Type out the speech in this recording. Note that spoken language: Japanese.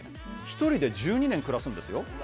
１人で１２年暮らすんですよ。